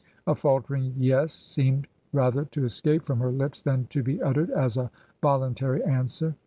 A faltering 'Yes,' seemed rather to escape from her lips than to be uttered as a voluntary answer.